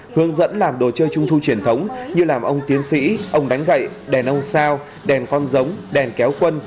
hướng dẫn làm đồ chơi trung thu truyền thống như làm ông tiến sĩ ông đánh gậy đèn ông sao đèn con giống đèn kéo quân